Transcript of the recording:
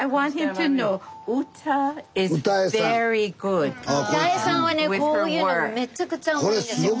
ウタエさんはねこういうのめちゃくちゃうまいんですよ。